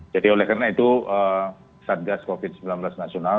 jadi oleh karena itu sadgas covid sembilan belas nasional sudah bisa masukan darah ke vira nasional